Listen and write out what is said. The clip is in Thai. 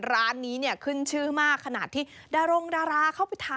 ร้านนี้เนี่ยขึ้นชื่อมากขนาดที่ดารงดาราเข้าไปทาน